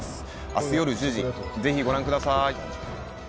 明日夜１０時是非ご覧ください。